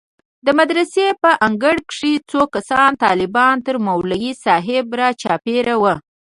د مدرسې په انګړ کښې څو کسه طلبا تر مولوي صاحب راچاپېر وو.